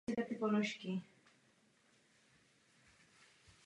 Ženská podoba tohoto jména je Emanuela.